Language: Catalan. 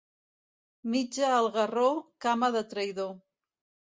Mitja al garró, cama de traïdor.